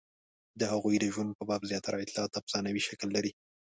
د هغوی د ژوند په باب زیاتره اطلاعات افسانوي شکل لري.